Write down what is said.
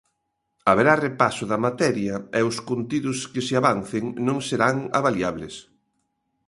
Haberá repaso da materia, e os contidos que se avancen non serán avaliables.